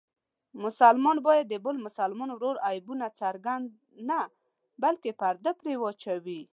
مسلمان باید د بل مسلمان ورور عیبونه څرګند نه بلکې پرده پرې واچوي.